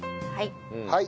はい。